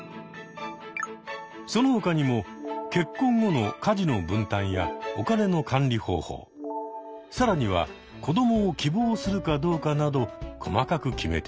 その他にも結婚後の家事の分担やお金の管理方法更には子どもを希望するかどうかなど細かく決めていく。